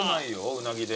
うなぎで。